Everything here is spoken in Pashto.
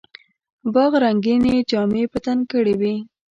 باغ رنګیني جامې په تن کړې وې.